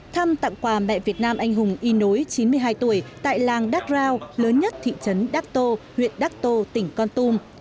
thăm tặng quà mẹ việt nam anh hùng y nối chín mươi hai tuổi tại làng đắc rao lớn nhất thị trấn đắc tô huyện đắc tô tỉnh con tum